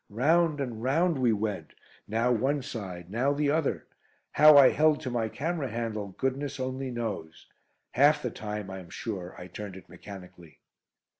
Round and round we went. Now one side, now the other. How I held to my camera handle goodness only knows. Half the time, I am sure, I turned it mechanically.